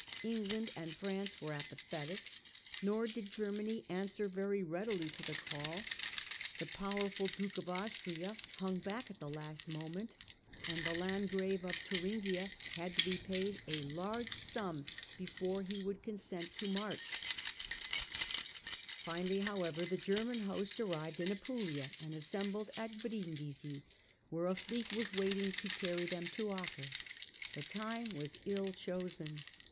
England and France were apathetic. Nor did Germany answer very readily to the call : the power ful Duke of Austria hung back at the last moment, and the Landgrave of Thuringia had to be paid a large sum before he would consent to march. THE FIRST EXCOMMUNICATION 79 Finally, however, the German host arrived in Apulia and assembled at Brindisi, where a fleet was waiting to carry them to Acre. The time was ill chosen.